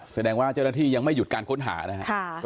แสดงว่าเจ้าหน้าที่ยังไม่หยุดการค้นหานะครับ